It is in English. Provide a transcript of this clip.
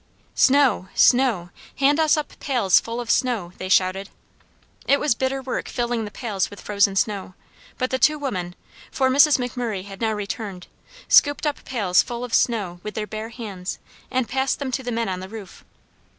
"Snow! snow! Hand us up pails full of snow!" they shouted. It was bitter work filling the pails with frozen snow, but the two women (for Mrs. McMurray had now returned) scooped up pails full of snow with their bare hands and passed them to the men on the roof.